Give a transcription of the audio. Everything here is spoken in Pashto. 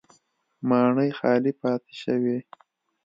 ماڼۍ خالي پاتې شوې.